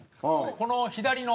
この左の。